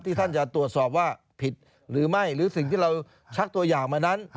ท่านจะตรวจสอบว่าผิดหรือไม่หรือสิ่งที่เราชักตัวอย่างมานั้น